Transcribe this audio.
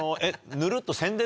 ぬるっと。